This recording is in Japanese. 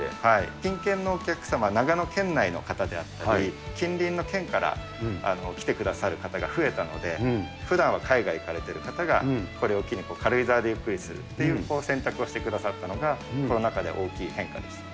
近県のお客様、長野県内の方であったり、近隣の県から来てくださる方が増えたので、ふだんは海外行かれてる方がこれを機に軽井沢でゆっくりするっていう選択をしてくださったのが、コロナ禍での大きい変化ですね。